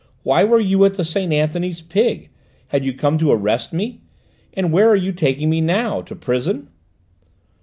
Why were you at the Saint Anthony's Pig? Had you come to arrest me? And where are you taking me now to prison?"